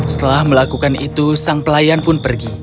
setelah melakukan itu sang pelayan pun pergi